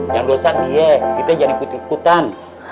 yang dosa dia kita jadi putih putih kutan